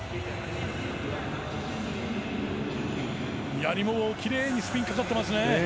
やりもきれいにスピンかかってますね。